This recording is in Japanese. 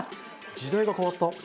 時代が変わった。